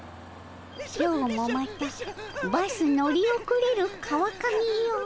「今日もまたバス乗り遅れる川上よ